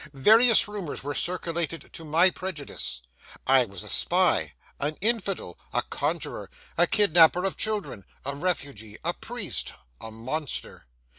Various rumours were circulated to my prejudice. I was a spy, an infidel, a conjurer, a kidnapper of children, a refugee, a priest, a monster.